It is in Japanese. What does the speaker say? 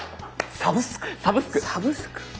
サブスク。